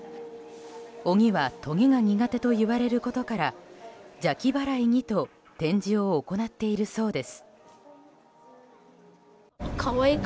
鬼はトゲが苦手と言われることから邪気払いにと展示を行っているそうです。